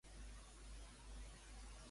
Quina festivitat dedicaven a Dionís Làmpteros?